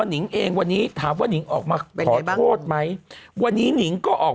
นิงเองวันนี้ถามว่านิงออกมาขอโทษไหมวันนี้หนิงก็ออก